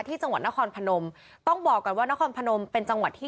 ที่จังหวัดนครพนมต้องบอกก่อนว่านครพนมเป็นจังหวัดที่